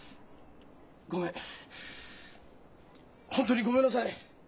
ごめん本当にごめんなさい！